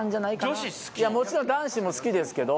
もちろん男子も好きですけど。